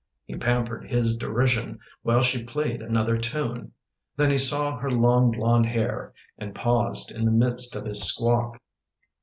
He pampered his derision While she played another tune. Then he saw her long blonde hair And paused in the midst of his squawk.